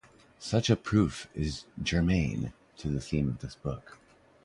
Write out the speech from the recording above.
Such a proof is germane to the theme of this book.